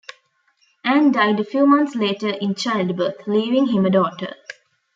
Anne died a few months later in childbirth, leaving him a daughter.